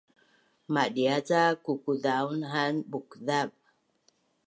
Madia’ ca kukuzaun an bukzav